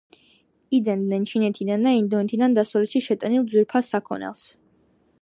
იძენდნენ ჩინეთიდან და ინდოეთიდან დასავლეთში შეტანილ ძვირფას საქონელს.